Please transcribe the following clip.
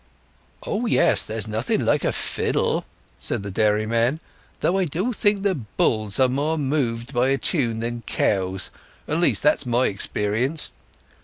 "Oh yes; there's nothing like a fiddle," said the dairyman. "Though I do think that bulls are more moved by a tune than cows—at least that's my experience.